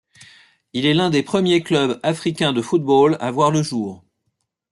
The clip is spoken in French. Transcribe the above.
Il est l'un des premiers clubs africains de football à voir le jour.